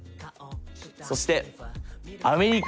そしてアメリカ